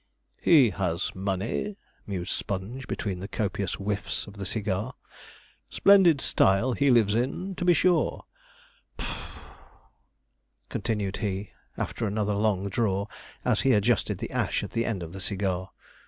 'He has money,' mused Sponge, between the copious whiffs of the cigar, 'splendid style he lives in, to be sure' (puff), continued he, after another long draw, as he adjusted the ash at the end of the cigar.